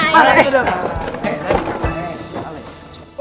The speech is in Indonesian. parah itu dong